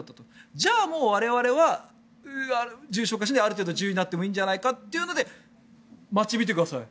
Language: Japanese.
じゃあ、もう我々は重症化しないある程度自由になってもいいのではないかということで街を見てください。